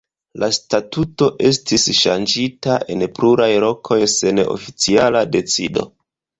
La statuto estis ŝanĝita en pluraj lokoj sen oficiala decido.